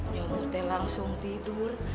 nyamuk teh langsung tidur